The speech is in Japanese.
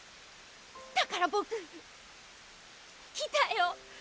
だから僕来たよ！